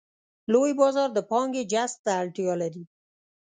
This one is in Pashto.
لوی بازار د پانګې جذب ته اړتیا لري.